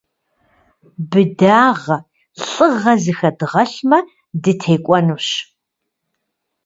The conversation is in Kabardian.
Быдагъэ, лӏыгъэ зыхэдгъэлъмэ, дытекӏуэнущ.